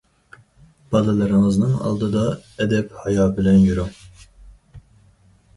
بالىلىرىڭىزنىڭ ئالدىدا ئەدەپ- ھايا بىلەن يۈرۈڭ.